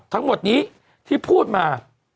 ทั้งหมดนี้ที่พูดมา